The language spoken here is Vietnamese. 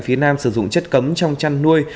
phía nam sử dụng chất cấm trong chăn nuôi